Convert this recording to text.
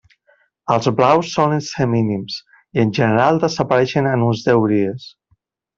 Els blaus solen ser mínims, i en general desapareixen en uns deu dies.